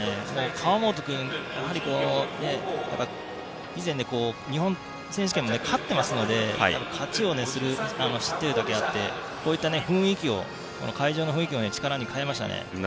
川元君は以前日本選手権も勝っていますので勝ちを知っているだけあってこういった会場の雰囲気を力に変えましたね。